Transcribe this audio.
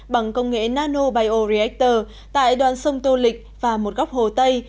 bằng công nghệ nanobioreactor tại đoàn sông tô lịch và một góc hồ tây